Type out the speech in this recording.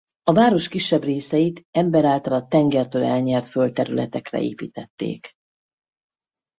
A város kisebb részeit ember által a tengertől elnyert földterületekre építették.